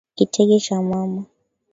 Kitenge cha mama.